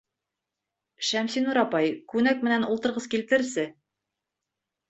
Шәмсинур апай, күнәк менән ултырғыс килтерсе.